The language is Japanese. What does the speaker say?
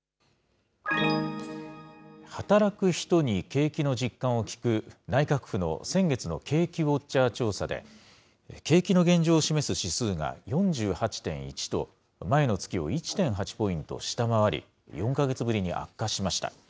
働く人に景気の実感を聞く、内閣府の先月の景気ウォッチャー調査で、景気の現状を示す指数が４８．１と、前の月を１．８ポイント下回り、４か月ぶりに悪化しました。